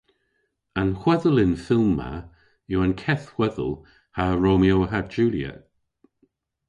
An hwedhel y'n fylm ma yw an keth hwedhel ha Romeo ha Juliet.